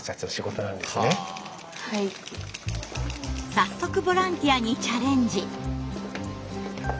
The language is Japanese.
早速ボランティアにチャレンジ。